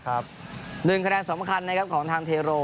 หนึ่งคะแนนสำคัญนะครับของทางเทโร